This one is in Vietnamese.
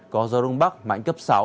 có gió đông bắc mạnh cấp sáu